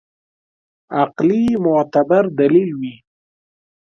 عقلي معتبر دلیل وي.